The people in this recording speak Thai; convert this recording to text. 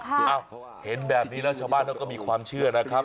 คือเห็นแบบนี้แล้วชาวบ้านเขาก็มีความเชื่อนะครับ